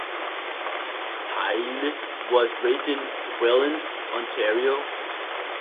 Paille was raised in Welland, Ontario.